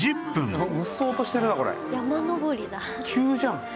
急じゃん。